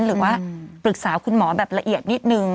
หรือว่าปรึกษาคุณหมอแบบละเอียดนิดนึง